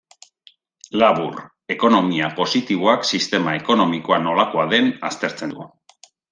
Labur, ekonomia positiboak sistema ekonomikoa nolakoa den aztertzen du.